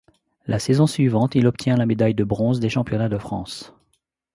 La saison suivante, il obtient la médaille de bronze des championnats de France.